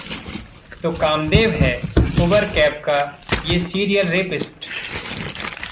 ...तो कामदेव है Uber cab का ये सीरियल रेपिस्ट